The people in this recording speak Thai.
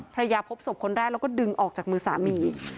ภรรยาพบศพคนแรกแล้วก็ดึงออกจากมือสามี